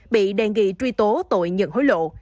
bị đề nghị truy tố tội nhận hối lộ